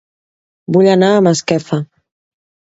Vull anar a Masquefa